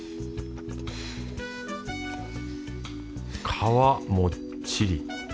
皮もっちり。